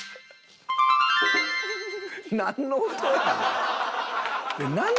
なんの音やねん！